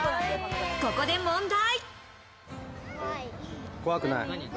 ここで問題。